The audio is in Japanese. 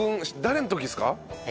誰の時ですか？